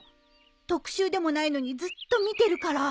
特集でもないのにずっと見てるから。